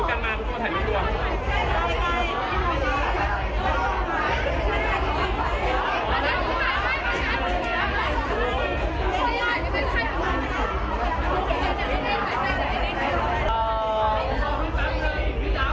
ก็ไม่มีเวลาให้กลับมาเที่ยวแต่ว่าจะมีเวลาให้กลับมาเที่ยว